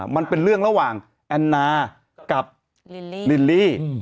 มันเป็นเรื่องระหว่างแอนนากับลิลลี่